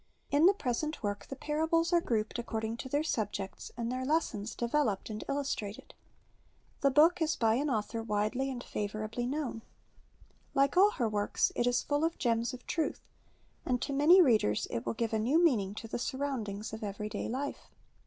In the present zvork the parables are grouped according to their sidfects, and their lessons developed and illustj'ated. The book is by an author zvidely and favorably known. Like all her zuorks, it is full of gems of truth; and to many readers it will give a neiv meaning to the surroundings of every day life.